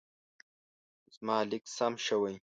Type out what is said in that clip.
زما لیک سم شوی.